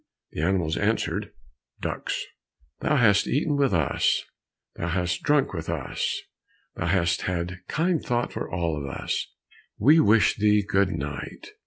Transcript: The animals answered "Duks," "Thou hast eaten with us, Thou hast drunk with us, Thou hast had kind thought for all of us, We wish thee good night."